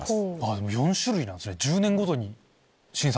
でも４種類なんすね。